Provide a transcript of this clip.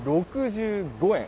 ６５円。